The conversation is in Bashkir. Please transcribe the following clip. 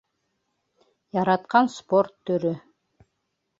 Яратҡан спорт төрө